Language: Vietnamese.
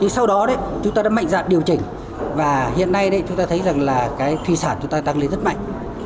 sau đó chúng ta đã mạnh dạng điều chỉnh và hiện nay chúng ta thấy rằng là cái thủy sản chúng ta tăng lên rất mạnh